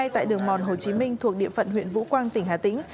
tại đường mòn hồ chí minh thuộc địa phận huyện vũ quang tỉnh hà tĩnh